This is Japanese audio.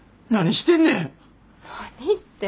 何って。